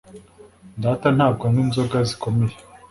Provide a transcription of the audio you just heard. Data ntabwo anywa inzoga zikomeye